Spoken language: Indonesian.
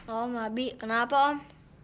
om abi kenapa om